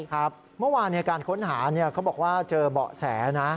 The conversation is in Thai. ครับเมื่อวานการค้นหาเขาบอกว่าเจอเบาะแสนะ